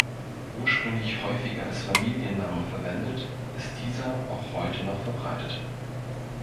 Ursprünglich häufiger als Familienname verwendet, ist dieser auch heute noch verbreitet.